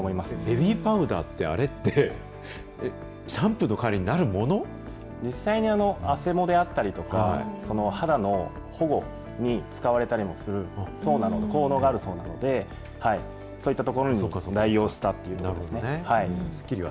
ベビーパウダーって、あれって、シャンプーの代わりになるも実際にあせもであったりとか、肌の保護に使われたりもする、効能があるそうなので、そういったところに代用したということですね。